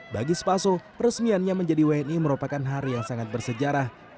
bagi spaso resmiannya menjadi wni merupakan hari yang sangat bersejarah